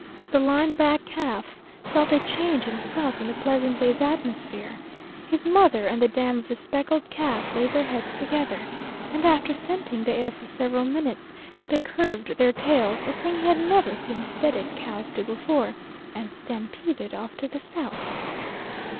The line back calf felt a change himself in the pleasant day's atmosphere. His mother and the dam of the speckled calf laid their heads together, and after scenting the air for several minutes, they curved their tails a thing he had never seen sedate cows do before and stampeded off to the south.